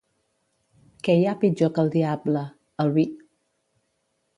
Què hi ha pitjor que el diable? el vi.